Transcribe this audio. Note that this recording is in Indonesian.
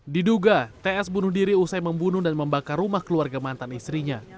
diduga ts bunuh diri usai membunuh dan membakar rumah keluarga mantan istrinya